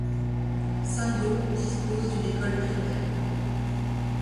Saint-Dos dispose d'une école primaire.